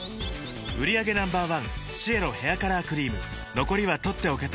売上№１シエロヘアカラークリーム残りは取っておけて